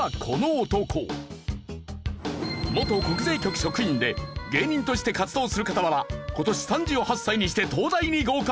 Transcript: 元国税局職員で芸人として活動する傍ら今年３８歳にして東大に合格！